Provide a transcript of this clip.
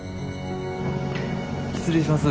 失礼します。